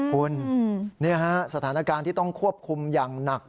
คุณนี่ฮะสถานการณ์ที่ต้องควบคุมอย่างหนัก